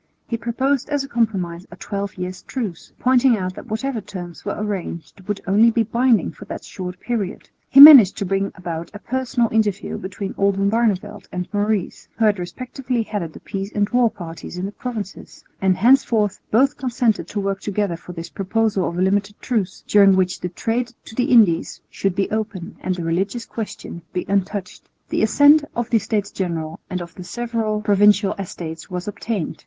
He proposed as a compromise a twelve years' truce, pointing out that whatever terms were arranged would only be binding for that short period. He managed to bring about a personal interview between Oldenbarneveldt and Maurice, who had respectively headed the peace and war parties in the provinces; and henceforth both consented to work together for this proposal of a limited truce, during which the trade to the Indies should be open and the religious question be untouched. The assent of the States General and of the several Provincial Estates was obtained.